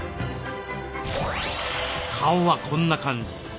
顔はこんな感じ。